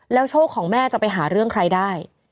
โชคของแม่จะไปหาเรื่องใครได้